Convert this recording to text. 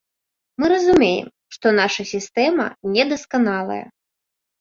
Мы разумеем, што наша сістэма недасканалая.